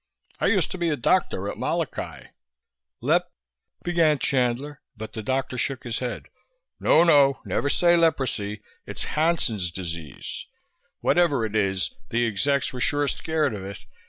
"I used to be a doctor at Molokai." "Lep " began Chandler, but the doctor shook his head. "No, no, never say 'leprosy.' It's 'Hansen's disease.' Whatever it is, the execs were sure scared of it.